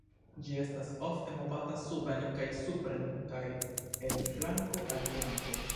Ĝi estas ofte movata suben kaj supren kaj el flanko al flanko.